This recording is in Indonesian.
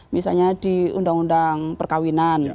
misalnya di undang undang perkawinan